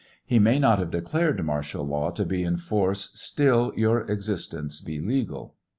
He may not have declared martial law to be in force, still your existence be legal.